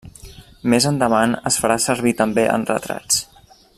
Més endavant es farà servir també en retrats.